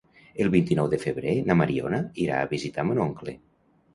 El vint-i-nou de febrer na Mariona irà a visitar mon oncle.